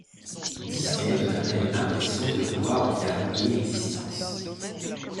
Disney donna même l'impression de vouloir en faire oublier l'existence.